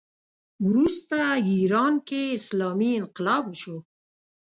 وروسته ایران کې اسلامي انقلاب وشو